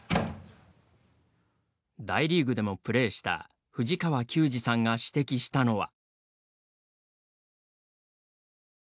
大リーグでもプレーした藤川球児さんが指摘したのは。